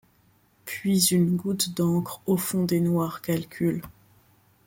Puise une goutte d’encre au fond des noirs calculs